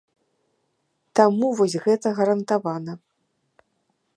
Таму вось гэта гарантавана.